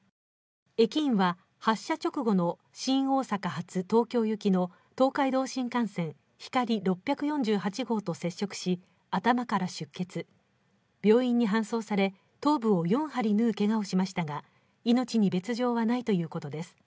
駅員は発車直後の新大阪発東京行きの東海道新幹線「ひかり６４８号」と接触し頭から出血、病院に搬送され、頭部を４針縫うけがをしましたが、命に別状はないということです。